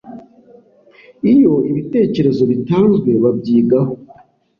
iyo ibitekerezo bitanzwe babyigaho